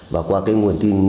và qua nguồn tin